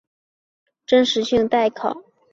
但此段史料的真实性待考。